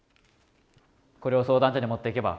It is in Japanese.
これを相談所に持っていけば。